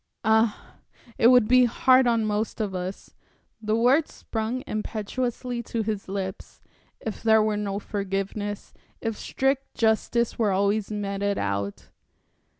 "Ah, it would be hard on most of us" the words sprung impetuously to his lips "if there were no forgiveness, if strict justice were always meted out."